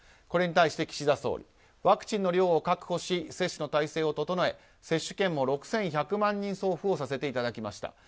これに対して岸田総理はワクチンの量を確保し接種の体制を整え接種券も６１００万人送付させていただきました。